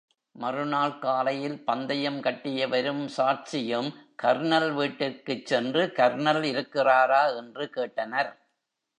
மறுநாள் காலையில், பந்தயம் கட்டியவரும் சாட்சியும் கர்னல் வீட்டுக்குச் சென்று, கர்னல் இருக்கிறாரா? என்று கேட்டனர்.